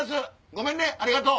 ごめんねありがとう。